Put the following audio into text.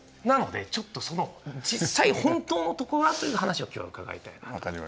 なのでちょっとその実際本当のとこはという話を今日は伺いたいなと。